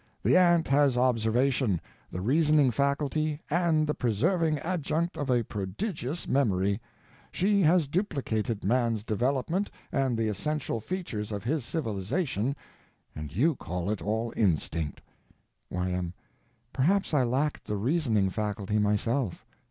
The ant has observation, the reasoning faculty, and the preserving adjunct of a prodigious memory; she has duplicated man's development and the essential features of his civilization, and you call it all instinct! Y.M. Perhaps I lacked the reasoning faculty myself.